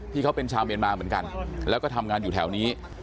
ที่เขาเป็นชาวเมียนมาเหมือนกันแล้วก็ทำงานอยู่แถวนี้